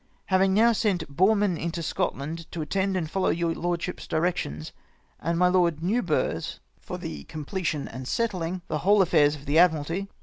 Having now sent Boreman into Scotland to attend and follow your lordship's directions, and my Lord New burgh's, for the completing and settling the whole affairs of the Admiralty.